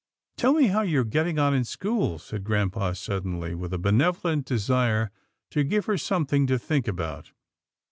" Tell me how you are getting on in school," said grampa suddenly, with a benevolent desire to give her something to think about.